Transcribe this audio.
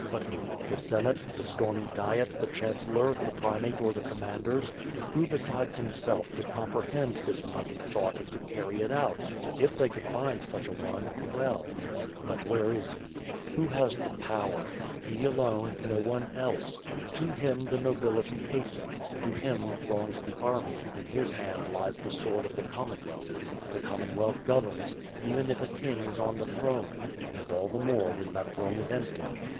But who? The Senate, the stormy diet, the chancellor, the primate or the commanders? Who besides himself could comprehend this mighty thought and could carry it out? If they could find such a one — well I But 420 WITB FIRE AND SWORD. where is he? Who has the power. — He alone — no one else! To him the nobility hasten, to him throngs the army, in his hand lies the sword of the Commonwealth, the Common wealth governs, even if a king is on the throne, and all the more when that throne is empty.